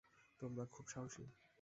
তোমরা খুবই সাহসী।